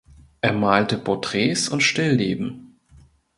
Er malte Porträts und Stillleben.